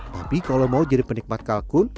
tapi kalau mau jadi penikmat kalkun